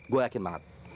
gue yakin banget